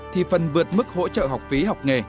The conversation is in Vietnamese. thì phần vượt mức hỗ trợ học phí học nghề